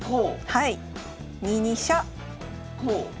はい。